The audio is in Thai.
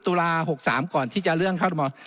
๓๐ตุลา๖๓ก่อนที่จะเลื่อนเข้าคลมมอบ